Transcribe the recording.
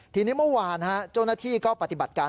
ทีนี้เมื่อวานเจ้าหน้าที่ก็ปฏิบัติการ